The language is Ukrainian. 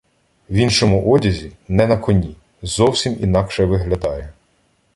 В іншому одязі, не на коні — зовсім інакше виглядає.